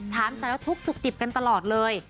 ถามแต่ละทุกข์สุขดิบกันตลอดเลย